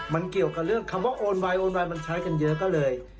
มันเกี่ยวกับเรื่องคำว่าโอนไวนโอนไวนมันใช้กันเยอะก็เลย